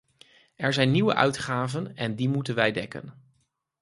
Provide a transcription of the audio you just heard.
Er zijn nieuwe uitgaven en die moeten wij dekken.